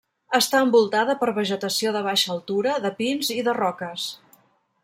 Està envoltada per vegetació de baixa altura, de pins i de roques.